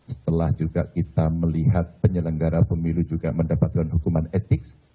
setelah juga kita melihat penyelenggara pemilu juga mendapatkan hukuman etik